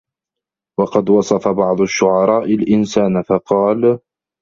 وَقَدْ وَصَفَ بَعْضُ الشُّعَرَاءِ الْإِنْسَانَ فَقَالَ